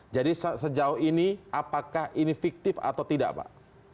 jadi sejauh ini apakah ini fiktif atau tidak pak